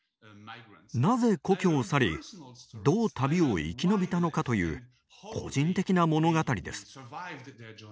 なぜ故郷を去りどう旅を生きのびたのかという個人的な物語です。